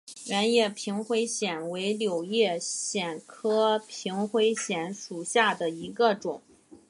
圆叶平灰藓为柳叶藓科平灰藓属下的一个种。